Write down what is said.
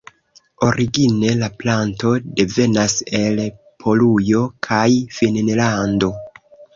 Origine la planto devenas el Polujo kaj Finnlando.